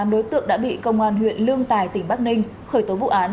tám đối tượng đã bị công an huyện lương tài tỉnh bắc ninh khởi tố vụ án